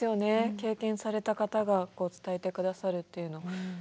経験された方が伝えて下さるっていうの。